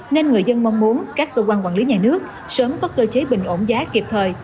nên người dân mong muốn các cơ quan quản lý nhà nước sớm có cơ chế bình ổn giá kịp thời